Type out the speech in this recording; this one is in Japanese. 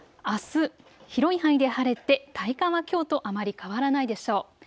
あす広い範囲で晴れて体感はきょうとあまり変わらないでしょう。